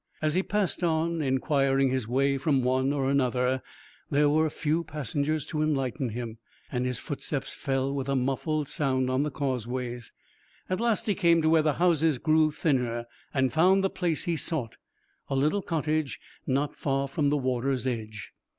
As he passed on, inquiring his way from one or another, there were few passengers to enlighten him, and his footsteps fell with a muffled sound on the causeways. At last he came to where the houses grew thinner, and found the place he sought, a little cottage not far from the water's edge.